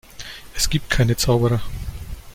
Es gibt keine Zauberer.